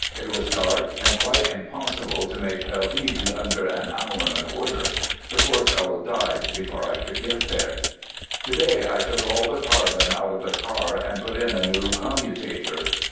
It was dark and quite impossible to make Belleville under an hour and a quarter. The poor fellow died before I could get there. i To day, I took all the carbon out of the car and put in a new commutator.